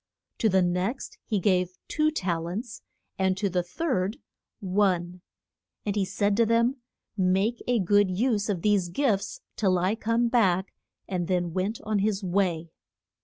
To the next he gave two tal ents; and to the third one. And he said to them, Make a good use of these gifts till I come back; and then went on his way.